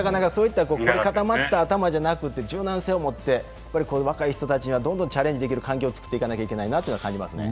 凝り固まった頭じゃなく柔軟性のあるこういう若い人たちにはどんどんチャレンジできる環境を作っていかなきゃいけないですね。